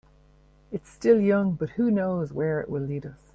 It's still young, but who knows where it will lead us.